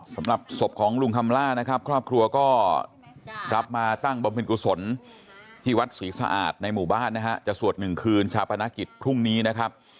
สำหรับศพของลุงคำลาครอบครัวก็รับมาตั้งบำพิวัฒน์กุศลที่วัดศรีสะอาดในหมู่บ้านนะครับจะสวด๑คืนชาปนกิจพรุ่งนี้นะครับ